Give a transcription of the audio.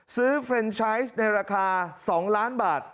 ซื้อเฟรนชัยส์ในราคาสองล้านบาท